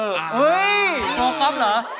โปรก๊อฟเหรอ